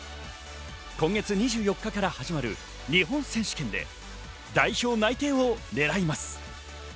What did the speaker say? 今月２４日から始まる日本選手権で代表内定をねらいます。